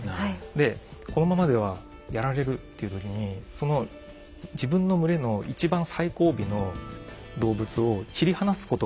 でこのままではやられるっていう時にその自分の群れの一番最後尾の動物を切り離すことができるんです。